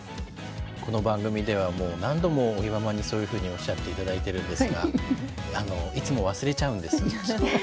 この番組ではもう何度も尾木ママにそういうふうにおっしゃって頂いてるんですがいつも忘れちゃうんです。